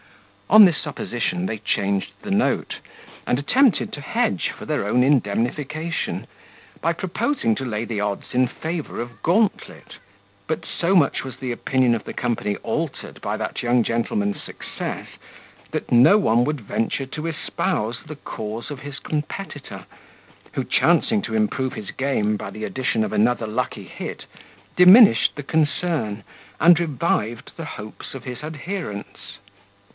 On this supposition, they changed the note, and attempted to hedge for their own indemnification, by proposing to lay the odds in favour of Gauntlet; but so much was the opinion of the company altered by that young gentleman's success, that no one would venture to espouse the cause of his competitor, who, chancing to improve his game by the addition of another lucky hit, diminished the concern, and revived the hopes of his adherents.